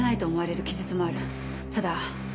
ただ。